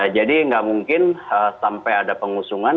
jadi nggak mungkin sampai ada pengusungan